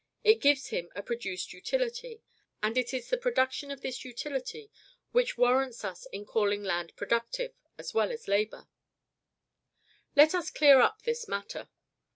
It gives him a produced utility; and it is the production of this utility which warrants us in calling land productive, as well as labor." Let us clear up this matter.